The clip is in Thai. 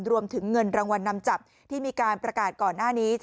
รวมถึงเงินรางวัลนำจับที่มีการประกาศก่อนหน้านี้